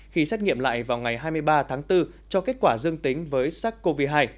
khi xét nghiệm lại vào ngày hai mươi ba tháng bốn cho kết quả dương tính với sars cov hai